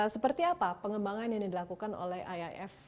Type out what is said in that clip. seperti apa pengembangan yang dilakukan oleh iif